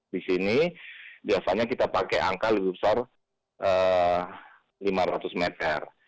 di sini biasanya kita pakai angka lebih besar lima ratus meter